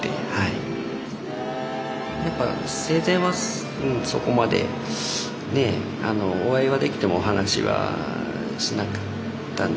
やっぱ生前はそこまでお会いはできてもお話はしなかったんですけれども。